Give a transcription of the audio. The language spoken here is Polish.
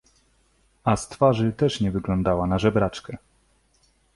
— A z twarzy też nie wyglądała na żebraczkę!